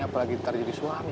apalagi ntar jadi suami